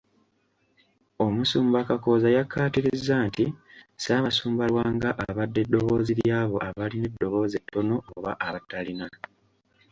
Omusumba Kakooza yakkaatirizza nti, "Ssaabasumba Lwanga abadde ddoboozi ly'abo abalina eddoboozi ettono oba abatalina.”